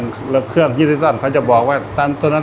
สวัสดีครับผมชื่อสามารถชานุบาลชื่อเล่นว่าขิงถ่ายหนังสุ่นแห่ง